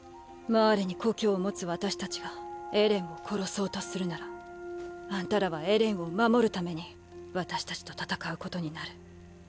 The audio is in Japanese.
マーレに故郷を持つ私たちがエレンを殺そうとするならあんたらはエレンを守るために私たちと戦うことになる。